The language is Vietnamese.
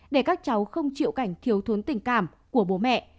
để các cháu không chịu cảnh thiếu thốn tình cảm của bố mẹ